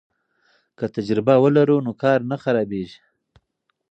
که تجربه ولرو نو کار نه خرابیږي.